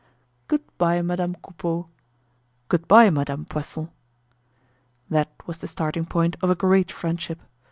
"Good bye, Madame Coupeau." "Good bye, Madame Poisson." That was the starting point of a great friendship.